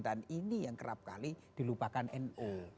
dan ini yang kerap kali dilupakan nu